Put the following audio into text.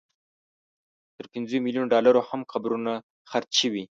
تر پنځو ملیونو ډالرو هم قبرونه خرڅ شوي.